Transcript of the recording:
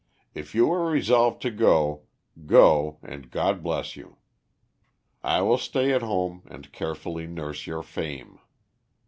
If you are resolved to go, go and God bless you; I will stay at home and carefully nurse your fame.